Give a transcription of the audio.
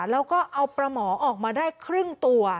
แล้วก็เอาปลาหมอออกมาได้ครึ่งตัว